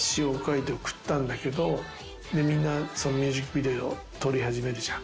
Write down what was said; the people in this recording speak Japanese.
でみんなミュージックビデオ撮り始めるじゃん。